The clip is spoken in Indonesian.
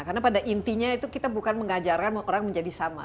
karena pada intinya itu kita bukan mengajarkan orang menjadi sama